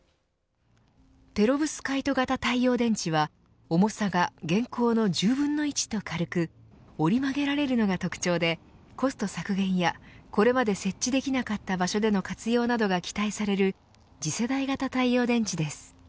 ペロブスカイト型太陽電池は重さが現行の１０分の１と軽く折り曲げられるのが特徴でコスト削減や、これまで設置できなかった場所での活用などが期待される次世代型太陽電池です。